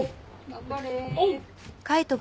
頑張れ。